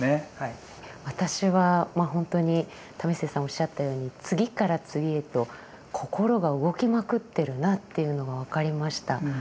私はまあほんとに為末さんおっしゃったように次から次へと心が動きまくってるなっていうのが分かりました。